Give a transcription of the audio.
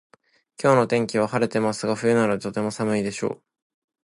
今日の天気は晴れてますが冬なのでとても寒いでしょう